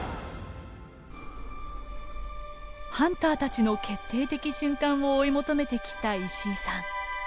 ハンターたちの決定的瞬間を追い求めてきた石井さん。